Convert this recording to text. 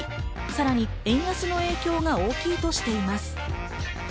さらに円安の影響が大きいとしています。